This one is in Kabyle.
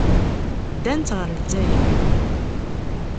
Ddant ɣer Lezzayer.